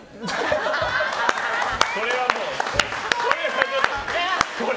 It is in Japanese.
これはもう。